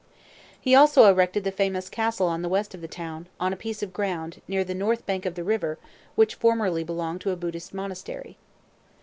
He also erected the famous castle on the west of the town, on a piece of ground, near the north bank of the river, which formerly belonged to a Buddhist monastery.